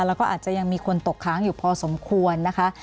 แล้วก็อาจจะยังมีคนตกค้างอยู่พอสมควรนะคะ